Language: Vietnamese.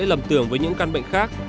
rất dễ lầm tưởng với những căn bệnh khác